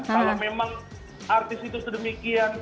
kalau memang artis itu sedemikian